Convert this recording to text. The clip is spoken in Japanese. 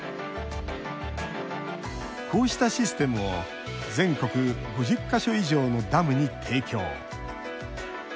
こうしたシステムを全国５０か所以上のダムに提供。